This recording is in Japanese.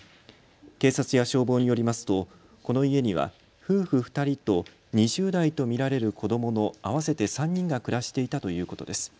警察や消防によりますとこの家には夫婦２人と２０代と見られる子どもの合わせて３人が暮らしていたということです。